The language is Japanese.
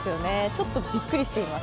ちょっとびっくりしています。